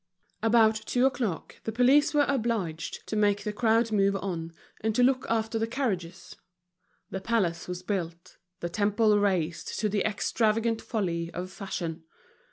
About two o'clock the police were obliged to make the crowd move on, and to look after the carriages. The palace was built, the temple raised to the extravagant folly of fashion.